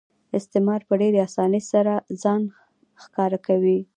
استثمار په ډېرې اسانۍ سره ځان ښکاره کوي